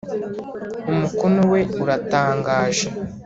Umukono we uratangaje.